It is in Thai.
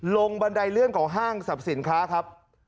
บันไดเลื่อนของห้างสรรพสินค้าครับ